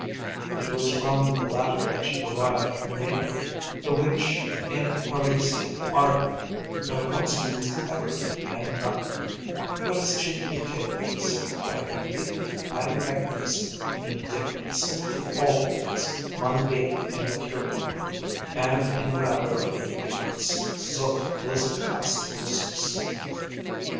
It was from the latter that she derived her name, the which, in Parisian argot, at once means everything and nothing, but is chiefly taken to signify complete and magnificent indifference to all things mundane and material: and in the matter of indifference Zut was past mistress.